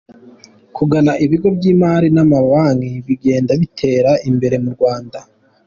Kugana ibigo by’imari n’amabanki bigenda bitera imbere mu Rwanda.